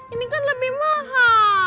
ini kan lebih mahal